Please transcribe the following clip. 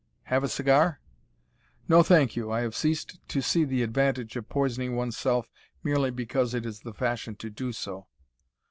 Have a cigar?" "No, thank you, I have ceased to see the advantage of poisoning one's self merely because it is the fashion to do so."